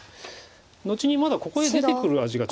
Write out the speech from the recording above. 後にまだここへ出てくる味が。